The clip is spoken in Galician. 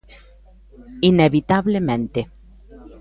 Inevitablemente.